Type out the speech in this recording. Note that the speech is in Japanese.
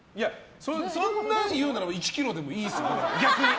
そんなん言うなら１ｋｇでいいです、逆に。